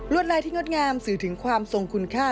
ลายที่งดงามสื่อถึงความทรงคุณค่า